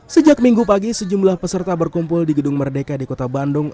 sejak minggu pagi sejumlah peserta berkumpul di gedung merdeka di kota bandung